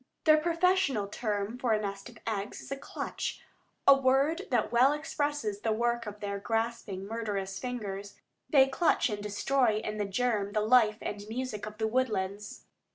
Their professional term for a nest of eggs is "a clutch," a word that well expresses the work of their grasping, murderous fingers. They clutch and destroy in the germ the life and music of the woodlands.